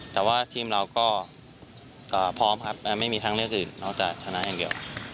แต่ว่าทีมเราก็พร้อมครับไม่มีทางเลือกอื่นเราจะชนะอย่างเดียว